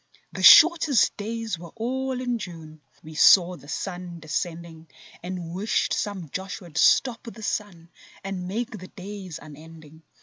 The shortest days were all in June; We saw the sun descending And wished some Joshua'd stop the sun And make the days unending.